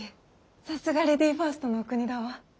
さすがレディーファーストのお国だわ。